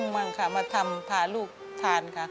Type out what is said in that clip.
มาทำพาลูกทาน